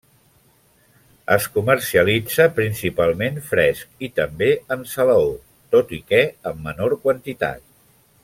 Es comercialitza principalment fresc i, també, en salaó, tot i que en menor quantitat.